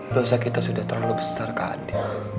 dosa kita sudah terlalu besar kak adi